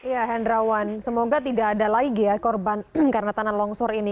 ya hendrawan semoga tidak ada lagi ya korban karena tanah longsor ini